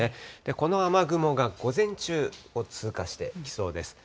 この雨雲が午前中、通過してきそうです。